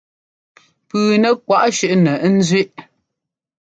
Pʉʉnɛ́ kwaʼ shúnɛ ɛ́nzʉ́ʼ.